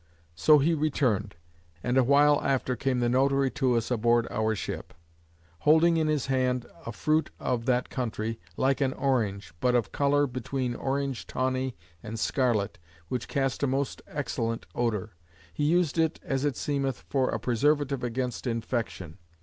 So he returned; and a while after came the Notary to us aboard our ship; holding in his hand a fruit of that country, like an orange, but of color between orange tawney and scarlet; which cast a most excellent odour. He used it (as it seemeth) for a preservative against infection.